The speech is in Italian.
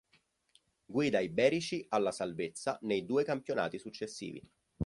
Guida i berici alla salvezza nei due campionati successivi.